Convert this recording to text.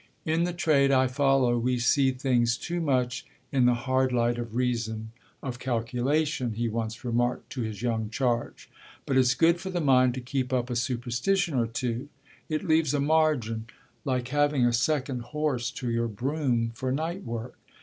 "In the trade I follow we see things too much in the hard light of reason, of calculation," he once remarked to his young charge; "but it's good for the mind to keep up a superstition or two; it leaves a margin like having a second horse to your brougham for night work.